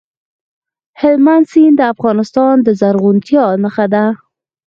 هلمند سیند د افغانستان د زرغونتیا نښه ده.